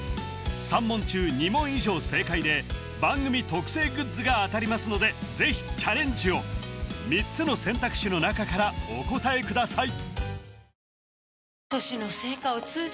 ３問中２問以上正解で番組特製グッズが当たりますのでぜひチャレンジを３つの選択肢の中からお答えください